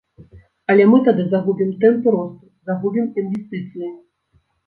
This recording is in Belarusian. Але мы тады загубім тэмпы росту, загубім інвестыцыі.